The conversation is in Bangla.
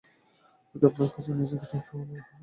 যদি আপনার নিজের কাজ থাকে, তা হলে আলাদা কথা।